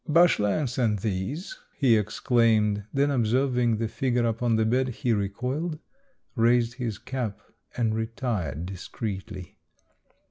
*' Bachehn sent these," he exclaimed ; then ob serving the figure upon the bed, he recoiled, raised his cap, and retired discreetly.